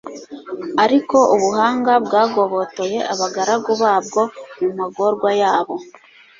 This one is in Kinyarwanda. ariko ubuhanga bwagobotoye abagaragu babwo mu magorwa yabo